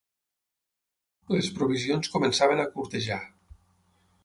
Les provisions començaven a curtejar.